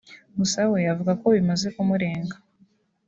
gusa we avuga ko bimaze kumurenga